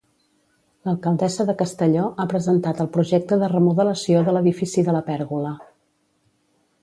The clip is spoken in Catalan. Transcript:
L'alcaldessa de Castelló ha presentat el projecte de remodelació de l'edifici de la Pèrgola.